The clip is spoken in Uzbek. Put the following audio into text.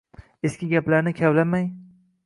Eski gaplarni kavlamang.